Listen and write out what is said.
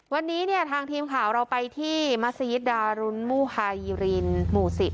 วันนี้เนี่ยทางทีมข่าวเราไปที่มัศยิตดารุนมูฮายิรินหมู่๑๐